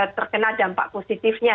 terkena dampak positifnya